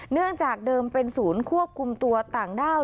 เนื่องจากเดิมเป็นศูนย์ควบคุมตัวต่างด้าว